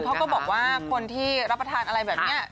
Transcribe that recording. เขาก็บอกว่าคนที่รับประทานอะไรแบบนี้